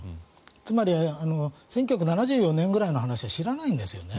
つまり１９７４年ぐらいの話は知らないんですよね。